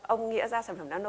ông nghĩa ra sản phẩm nano